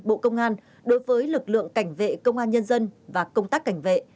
bộ công an đối với lực lượng cảnh vệ công an nhân dân và công tác cảnh vệ